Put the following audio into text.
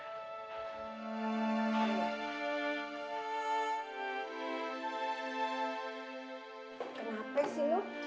kenapa sih lo